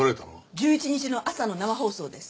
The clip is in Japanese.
１１日の朝の生放送です。